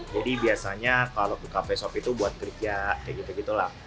jadi biasanya kalau ke cafe shop itu buat kerja kayak gitu gitulah